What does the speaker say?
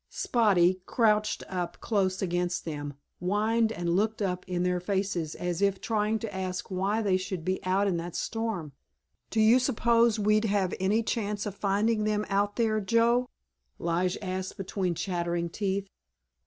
Spotty, crouched up close against them, whined and looked up in their faces as if trying to ask why they should be out in that storm. "Do you suppose we'd have any chance of finding them out there, Joe?" Lige asked between chattering teeth.